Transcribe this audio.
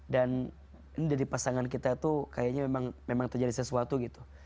dan ini dari pasangan kita tuh kayaknya memang terjadi sesuatu gitu